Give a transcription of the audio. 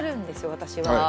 私は。